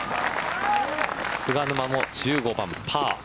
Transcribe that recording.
菅沼も１５番パー。